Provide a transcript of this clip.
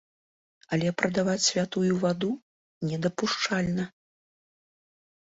Але прадаваць святую ваду, недапушчальна.